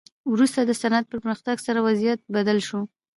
وروسته د صنعت پرمختګ سره وضعیت بدل شو.